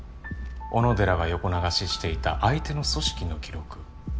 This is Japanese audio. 小野寺が横流ししていた相手の組織の記録。